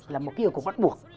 là một cái ưu cục bắt buộc